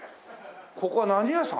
ここは何屋さん？